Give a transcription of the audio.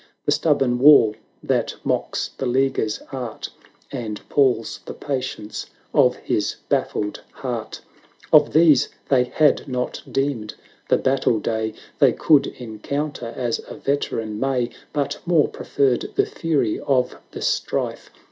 The stubborn wall that mocks the leaguer's art. And palls the patience of his bafSed heart, Of these they had not deemed: the battle day They could encounter as a veteran may; But more preferred the fury of the strife.